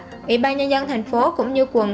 ủy ban nhân dông thành phố cũng như quận